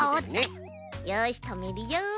よしとめるよ。